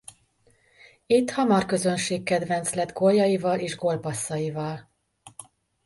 Itt hamar közönség kedvenc lett góljaival és gólpasszaival.